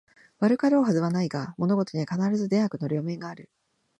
悪かろうはずはないが、物事には必ず善悪の両面がある